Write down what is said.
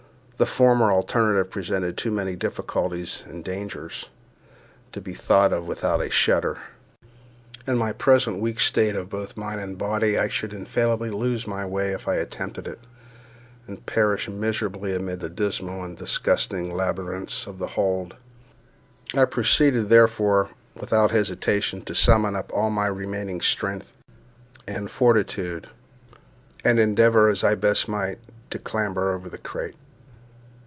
The former alternative presented too many difficulties and dangers to be thought of without a shudder. In my present weak state of both mind and body, I should infallibly lose my way if I attempted it, and perish miserably amid the dismal and disgusting labyrinths of the hold. I proceeded, therefore, without hesitation, to summon up all my remaining strength and fortitude, and endeavour, as I best might, to clamber over the crate.